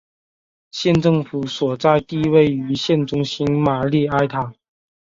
县政府所在地位于县中心的玛丽埃塔。